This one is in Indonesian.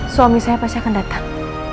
suami saya pasti akan datang